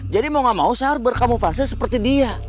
jadi mau gak mau saya harus berkamuflase seperti dia